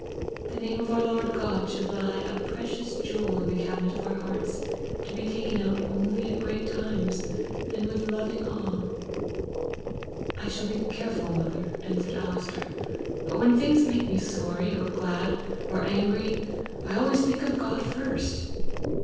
The name of our Lord God should lie a precious jewel in the cabinet of our hearts, to be taken out only at great times, and with loving awe." "I shall be careful, mother," answered Alister; "but when things make me sorry, or glad, or angry, I always think of God first!"